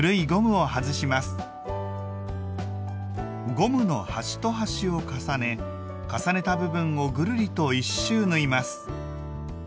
ゴムの端と端を重ね重ねた部分をぐるりと１周縫います。